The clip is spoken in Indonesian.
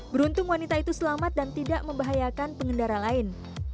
beruntung wanita itu selamat dan tidak membahayakan pengendara lain